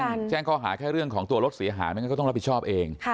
แจ้งข้อหาแค่เรื่องของตัวรถเสียหายไม่งั้นก็ต้องรับผิดชอบเอง